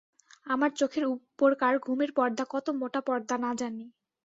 আমার চোখের উপরকার ঘুমের পর্দা কত মোটা পর্দা না জানি!